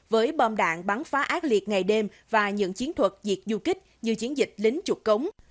với bom đạn bắn phá ác liệt ngày đêm và những chiến thuật diệt du kích như chiến dịch lính trục cống